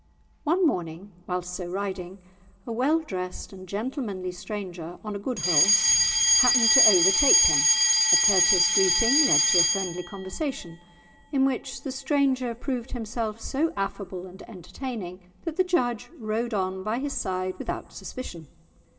One morning, whilst so riding, a well dressed and gentlemanly stranger, on a good horse, happened to overtake him; a courteous greeting led to a friendly conversation, in which the stranger proved himself so affable and entertaining that the judge rode on by his side without suspicion.